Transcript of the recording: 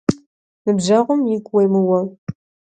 Ныбжъэгъум игу уемыуэ.